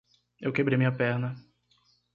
Eu quebrei minha perna.